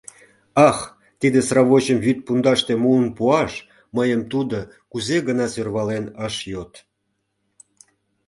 Ах, тиде сравочым вӱд пундаште муын пуаш мыйым тудо кузе гына сӧрвален ыш йод!..